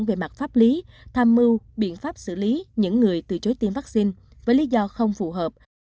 về mặt pháp lý tham mưu biện pháp xử lý những người từ chối tiêm vaccine với lý do không phù hợp